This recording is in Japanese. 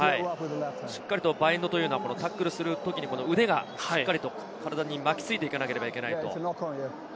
しっかりとバインドというのはタックルするときに腕が体に巻き付いていかなければならないと。